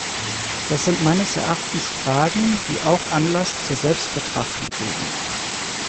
Das sind meines Erachtens Fragen, die auch Anlass zur Selbstbetrachtung geben.